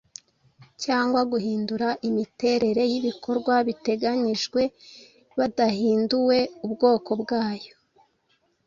cyangwa guhindura imiterere y’ibikorwa biteganyijwe hadahinduwe ubwoko bwayo,